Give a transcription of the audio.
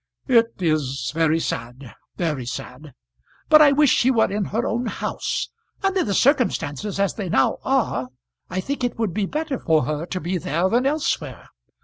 "It is very sad; very sad. But I wish she were in her own house. Under the circumstances as they now are, I think it would be better for her to be there than elsewhere.